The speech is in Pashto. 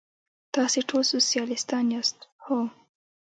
تاسې ټول سوسیالیستان یاست؟ هو.